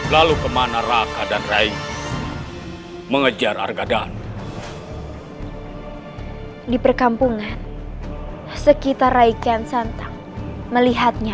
lalu kemana raka dan rai mengejar argadana di perkampungan sekitar reikian santang melihatnya